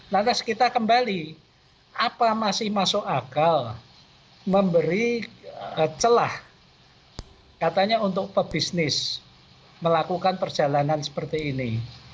lantas kita kembali apa masih masuk akal memberi celah katanya untuk pebisnis melakukan perjalanan seperti ini